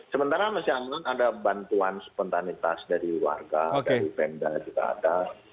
sementara masih aman ada bantuan spontanitas dari warga dari pemda juga ada